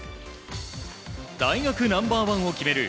大学ナンバー１を決める